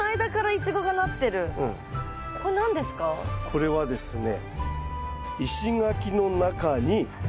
これはですね